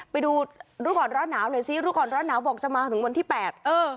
ไปดูรู้ก่อนร้อนหนาวหน่อยสิรู้ก่อนร้อนหนาวบอกจะมาถึงวันที่แปดเออ